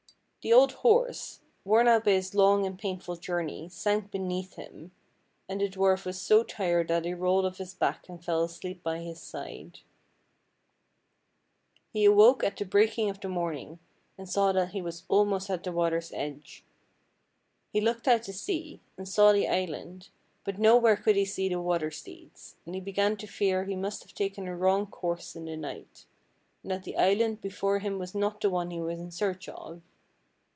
The old horse, worn out by his long and painful journey, sank beneath him, and the dwarf was so tired that he rolled off his back and fell asleep by his side. 160 FAIRY TALES He awoke at the breaking of the morning, and saw that he was almost at the water's edge. He looked out to sea, and saw the island, but no where could he see the water steeds, and he be gan to fear he must have taken a wrong course in the night, and that the island before him was not the one he was in search of.